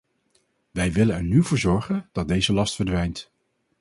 Wij willen er nu voor zorgen dat deze last verdwijnt.